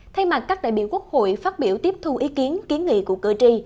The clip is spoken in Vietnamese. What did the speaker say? thay mặt các đại biểu quốc hội phát biểu tiếp thu ý kiến kiến nghị của cử tri